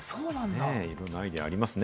いろんなアイデアがありますね。